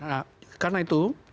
nah karena itu